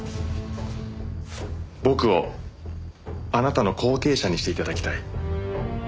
僕をあなたの後継者にして頂きたい。